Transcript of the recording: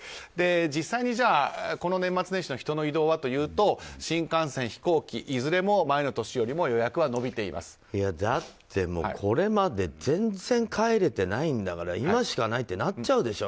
実際に、この年末年始の人の移動はというと新幹線、飛行機いずれも前の年よりもだって、これまで全然、帰れてないんだから今しかないってなっちゃうでしょ。